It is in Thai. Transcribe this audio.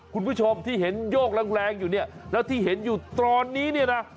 คุณผู้ชมที่เห็นโยกแรงแรงอยู่เนี่ยแล้วที่เห็นอยู่ตอนนี้เนี่ยนะ